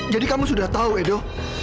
jadi kamu sudah tahu edo